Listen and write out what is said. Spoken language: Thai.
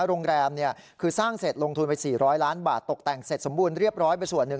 โรงแรมคือสร้างเสร็จลงทุนไป๔๐๐ล้านบาทตกแต่งเสร็จสมบูรณเรียบร้อยไปส่วนหนึ่ง